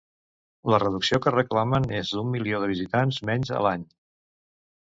La reducció que reclamen és d'un milió de visitants menys a l'any.